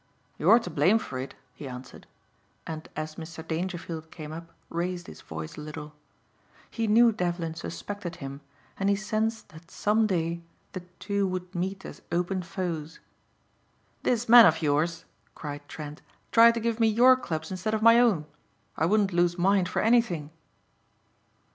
"You're to blame for it," he answered, and as Mr. Dangerfield came up raised his voice a little. He knew Devlin suspected him, and he sensed that some day the two would meet as open foes. "This man of yours," cried Trent, "tried to give me your clubs instead of my own. I wouldn't lose mine for anything."